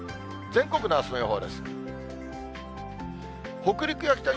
全国のあすの予報です。